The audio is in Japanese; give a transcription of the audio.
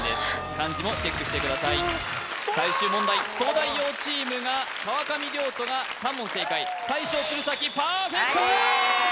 漢字もチェックしてください最終問題東大王チームが川上諒人が３問正解大将鶴崎パーフェクト！